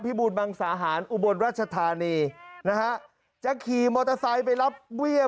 บูรมังสาหารอุบลรัชธานีนะฮะจะขี่มอเตอร์ไซค์ไปรับเบี้ย